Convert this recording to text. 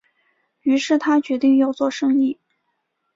於是他决定要做生意